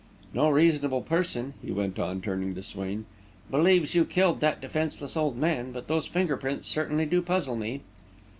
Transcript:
No reasonable person," he went on, turning to Swain, "believes you killed that defenceless old man; but those finger prints certainly do puzzle me."